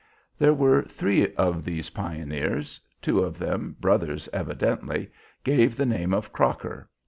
There were three of these pioneers; two of them, brothers evidently, gave the name of Crocker.